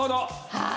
はい。